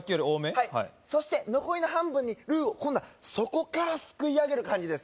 はいそして残りの半分にルーを今度は底からすくい上げる感じです